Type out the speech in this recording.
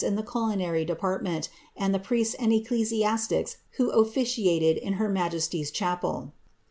anu in the culinary department, and the prietu and ecclcaiMtici who officiated in her majestj^s chapel.